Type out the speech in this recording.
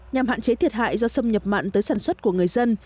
nhằm hạn chế thiệt hại do xâm nhập mặn tới sản xuất của người dân